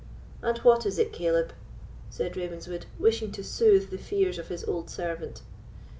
"And what is it, Caleb?" said Ravenswood, wishing to soothe the fears of his old servant.